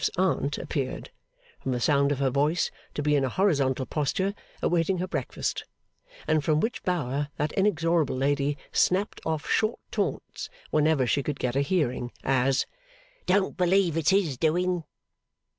's Aunt appeared, from the sound of her voice, to be in a horizontal posture, awaiting her breakfast; and from which bower that inexorable lady snapped off short taunts, whenever she could get a hearing, as, 'Don't believe it's his doing!